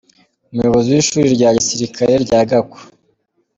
Umuyobozi w’ishuri rya gisirikare rya Gako,